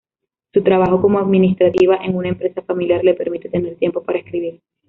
Su trabajo como administrativa en una empresa familiar le permite tener tiempo para escribir.